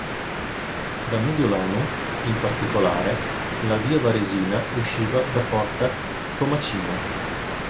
Da "Mediolanum", in particolare, la "via Varesina" usciva da "Porta Comacina".